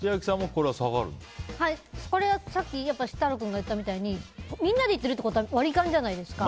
これは、さっきやっぱり設楽君が言ったみたいにみんなで行ってるってことは割り勘じゃないですか。